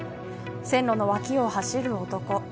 線路の脇を走る男。